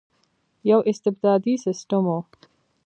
یو استبدادي سسټم وو.